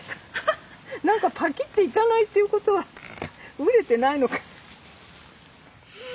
何かパキッていかないっていうことは熟れてないのかな。